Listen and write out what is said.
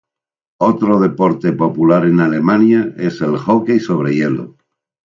Otro deporte popular en Alemania es el Hockey sobre hielo.